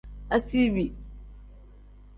Asiibi.